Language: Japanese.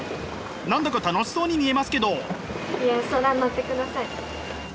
何だか楽しそうに見えますけど。